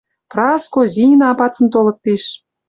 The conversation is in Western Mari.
Праско, Зина пацын толыт тиш.